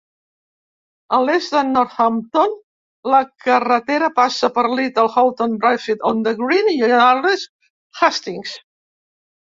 A l'est de Northampton la carretera passa per Little Houghton, Brafield-on-the-Green i Yardley Hastings.